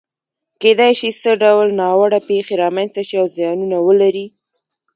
کېدای شي څه ډول ناوړه پېښې رامنځته شي او زیانونه ولري؟